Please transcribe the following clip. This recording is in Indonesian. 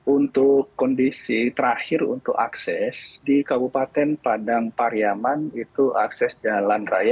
untuk kondisi terakhir untuk akses di kabupaten padang pariaman itu akses jalan raya